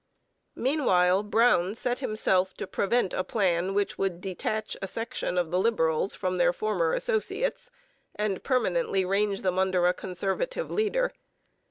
Meanwhile, Brown set himself to prevent a plan which would detach a section of the Liberals from their former associates and permanently range them under a Conservative leader.